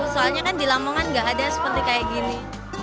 soalnya kan di lamongan nggak ada seperti kayak gini